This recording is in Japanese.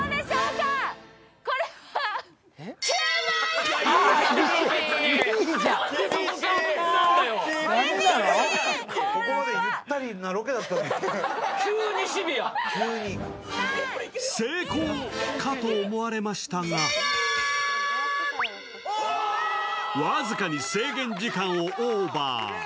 かと思われましたが僅かに制限時間をオーバー。